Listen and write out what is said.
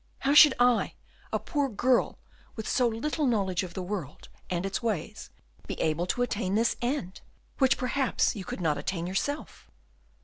How should I, a poor girl, with so little knowledge of the world and its ways, be able to attain this end, which perhaps you could not attain yourself?"